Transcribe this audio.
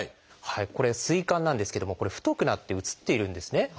これ膵管なんですけどもこれ太くなって映っているんですね。